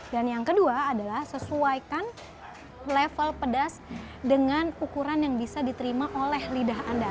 dan yang kedua adalah sesuaikan level pedas dengan ukuran yang bisa diterima oleh lidah anda